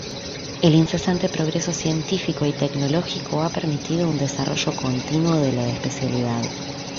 El incesante progreso científico y tecnológico ha permitido un desarrollo continuo de la especialidad.